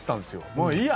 もういいや！